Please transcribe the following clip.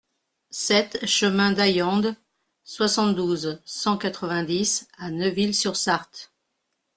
sept chemin d'Aillande, soixante-douze, cent quatre-vingt-dix à Neuville-sur-Sarthe